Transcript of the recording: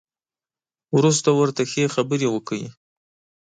وروسته ورته ښې خبرې وکړئ.